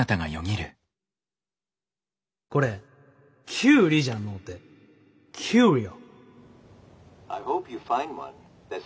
これキュウリじゃのうてキュウリオ。